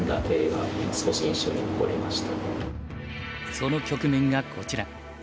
その局面がこちら。